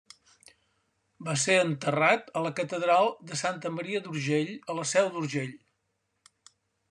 Va ser enterrat a la Catedral de Santa Maria d'Urgell a La Seu d'Urgell.